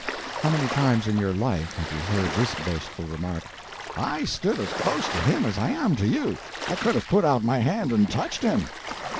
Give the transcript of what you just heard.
_" How many times in your life have you heard this boastful remark: "I stood as close to him as I am to you; I could have put out my hand and touched him."